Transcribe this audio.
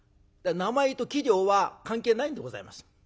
名前と器量は関係ないんでございます。